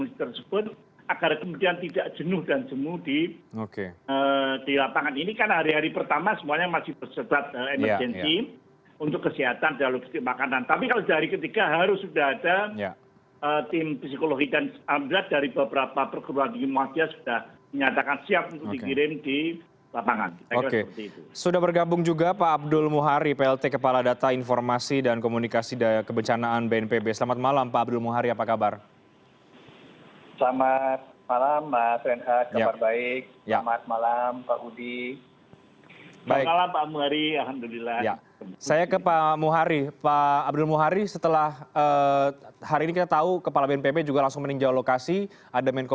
saya juga kontak dengan ketua mdmc jawa timur yang langsung mempersiapkan dukungan logistik untuk erupsi sumeru